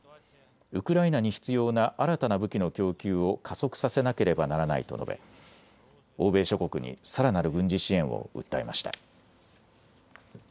ウクライナに必要な新たな武器の供給を加速させなければならないと述べ欧米諸国にさらなる軍事支援を訴えました。